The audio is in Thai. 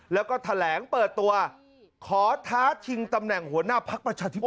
แล้วก็แถลงเปิดตัวขอท้าชิงตำแหน่งหัวหน้าพักประชาธิปัต